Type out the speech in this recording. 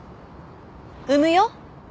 産むよ。